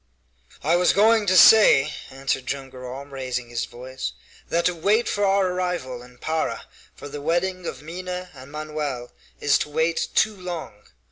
"I was going to say," answered Joam Garral, raising his voice, "that to wait for our arrival in Para for the wedding of Minha and Manoel is to wait too long.